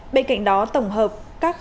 bên cạnh đó tổng hợp các khóa